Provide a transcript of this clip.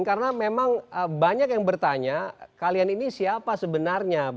karena memang banyak yang bertanya kalian ini siapa sebenarnya